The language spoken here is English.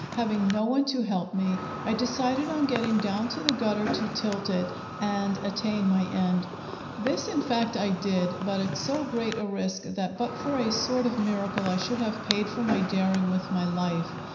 Having no one to help me, I decided on getting down to the gutter to tilt it, and attain my end. This in fact I did, but at so great a risk that but for a sort of miracle I should have paid for my daring with my life.